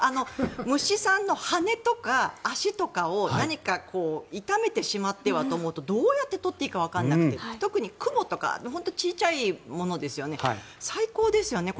虫さんの羽とか足とかを何か痛めてしまってはと思うとどう取ったらいいかわからなくて特にクモとか小さいものですよね最高ですよね。